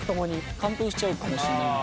完封しちゃうかもしれないんで。